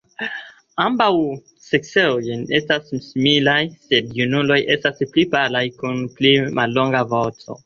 Ambaŭ seksoj estas similaj, sed junuloj estas pli palaj kun pli mallonga vosto.